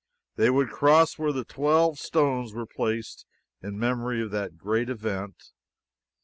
They would cross where the twelve stones were placed in memory of that great event.